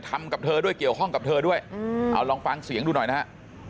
ทำกับเธอด้วยเกี่ยวข้องกับเธอด้วยเอาลองฟังเสียงดูหน่อยนะฮะ